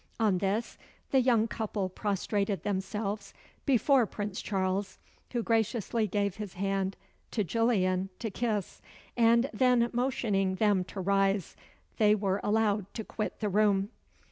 On this, the young couple prostrated themselves before Prince Charles, who graciously gave his hand to Gillian to kiss, and then motioning them to rise, they were allowed to quit the room.